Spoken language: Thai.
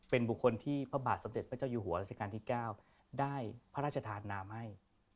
เป็นบุคคลที่พระบาทสมเด็จพระเจ้าอยู่หัวราชการที่๙ได้พระราชธานามให้